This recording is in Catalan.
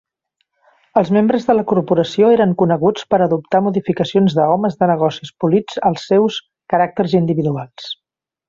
Els membres de la corporació eren coneguts per adoptar modificacions de "homes de negocis polits" als seus caràcters individuals.